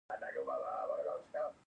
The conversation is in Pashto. آیا خان د کلي سیاسي مشر نه وي؟